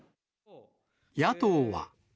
野党は。